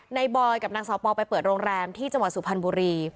บอยกับนางสาวปอลไปเปิดโรงแรมที่จังหวัดสุพรรณบุรี